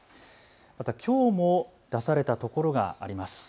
またきょうも出されたところがあります。